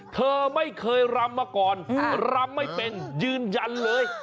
เธอไม่เคยรำมาก่อนรำไม่เป็นยืนยันเลย